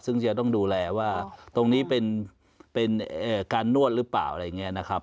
ซึ่งจะต้องดูแลว่าตรงนี้เป็นการนวดหรือเปล่าอะไรอย่างนี้นะครับ